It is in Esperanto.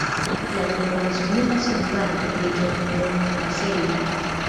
La loknomo signifas hungare: reĝo-montpasejo.